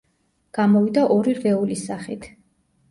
გამოვიდა ორი რვეულის სახით.